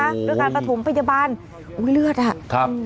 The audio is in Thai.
ด้วยการประถมพยาบาลอุ้ยเลือดอ่ะครับ